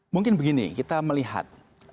mungkin begini kita melihat